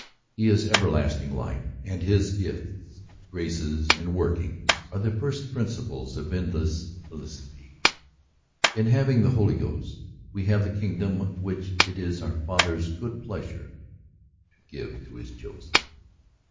He is everlasting life, and his gifts, graces and workings are the first principles of endless felicity. In having the Holy Ghost we have the kingdom which it is our Father's good pleasure to give to his chosen.